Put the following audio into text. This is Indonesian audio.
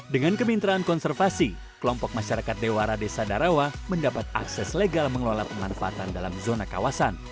dengan kemitraan konservasi kelompok masyarakat dewara desa darawa mendapat akses legal mengelola pemanfaatan dalam zona kawasan